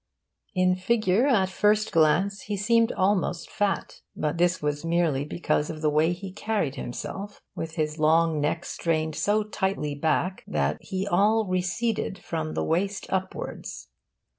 In figure, at first glance, he seemed almost fat; but this was merely because of the way he carried himself, with his long neck strained so tightly back that he all receded from the waist upwards.